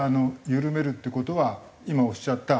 緩めるって事は今おっしゃった